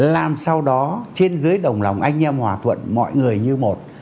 làm sau đó trên dưới đồng lòng anh em hòa thuận mọi người như một